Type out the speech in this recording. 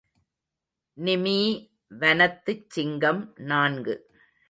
நிமீ வனத்துச் சிங்கம் நான்கு.